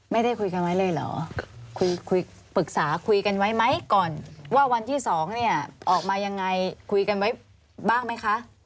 ไม่ได้คุยกันไว้เลยเหรอคุยปรึกษาคุยกันไว้ไหมก่อนว่าวันที่๒เนี่ยออกมายังไงคุยกันไว้บ้างไหมคะ